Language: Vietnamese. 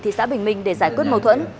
thị xã bình bình để giải quyết mâu thuẫn